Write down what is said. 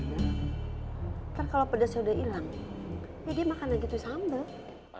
ntar kalo pedasnya udah ilang ya dia makan lagi tuh sambal